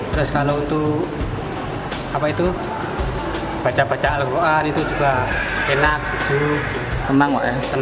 terus kalau itu apa itu baca baca al quran itu juga enak sejuk tenang